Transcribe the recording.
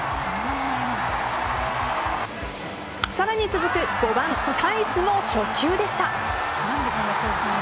さらに、続く５番・タイスも初球でした。